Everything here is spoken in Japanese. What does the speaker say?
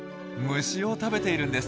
虫を食べているんです。